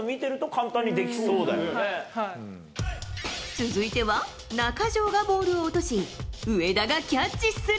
続いては中条がボールを落とし上田がキャッチする。